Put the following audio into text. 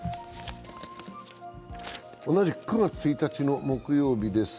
同じく９月１日の木曜日です。